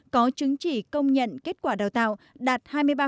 có chứng chỉ công nhận kết quả đào tạo đạt hai mươi ba